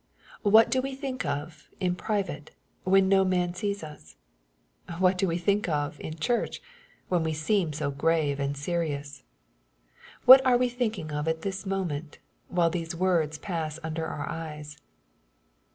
What do we think of, in private, when no man sees us ? What do we think of, in church, when we seem so grave and serious ? What are we think ing of at this moment, while these words pass under our eyes